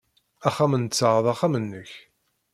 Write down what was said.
Axxam-nteɣ d axxam-nnek.